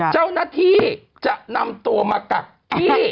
เจ้าณาทีจะนำตัวมากับที่